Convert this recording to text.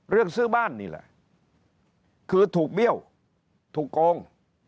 เรื่องซื้อบ้านนี่แหละคือถูกเบี้ยวถูกโกง